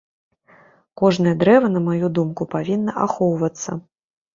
Кожнае дрэва, на маю думку, павінна ахоўвацца.